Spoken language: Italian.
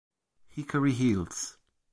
Hickory Hills